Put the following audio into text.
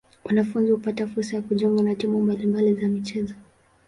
Wanafunzi hupata fursa ya kujiunga na timu mbali mbali za michezo.